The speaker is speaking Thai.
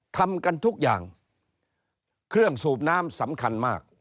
ทำกันทุกอย่างเครื่องสูบน้ำสำคัญมาก